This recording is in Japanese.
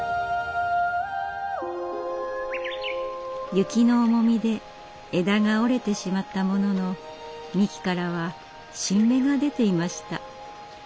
雪の重みで枝が折れてしまったものの幹からは新芽が出ていました。